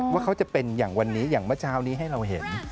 ว่าเขาจะเป็นอย่างวันนี้อย่างเมื่อเช้านี้ให้เราเห็น